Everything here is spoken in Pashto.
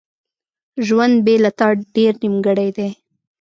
ژوند بیله تا ډیر نیمګړی دی.